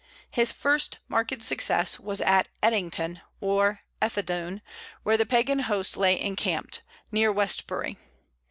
His first marked success was at Edington, or Ethandune, where the Pagan host lay encamped, near Westbury.